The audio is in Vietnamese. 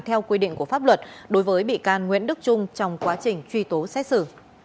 theo quy định của pháp luật đối với bị can nguyễn đức trung trong quá trình truy tố xét xử